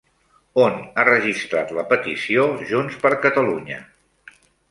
On ha registrat la petició Junts per Catalunya?